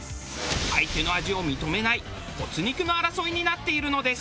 相手の味を認めない骨肉の争いになっているのです。